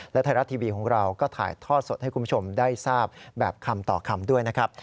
และไทยรัฐทีวีของเราก็ถ่ายทอดสดให้คุณผู้ชมได้ทราบแบบคำต่อคำด้วยนะครับ